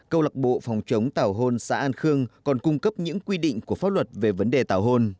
câu lạc bộ phòng chống tảo hôn xã an khương còn cung cấp những quy định của pháp luật về vấn đề tảo hôn